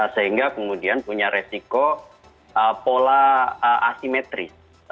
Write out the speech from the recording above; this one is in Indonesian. sehingga kemudian punya resiko pola asimetris